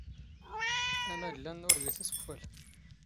ⴰⵎⴰⴷⵍ ⴰⵏⵏ ⵓⵔ ⴳⵉⵙ ⵉⵙⴽⵯⵍⴰ.